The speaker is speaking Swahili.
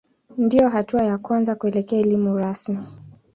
Ndiyo hatua ya kwanza kuelekea elimu rasmi.